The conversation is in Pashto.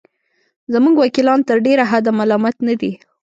زموږ وکیلان تر ډېره حده ملامت نه دي.